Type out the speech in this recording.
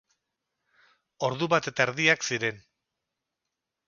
Ordu bat eta erdiak ziren.